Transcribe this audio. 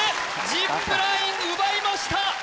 ジップライン奪いました！